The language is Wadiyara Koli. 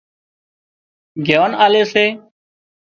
گيان آلي سي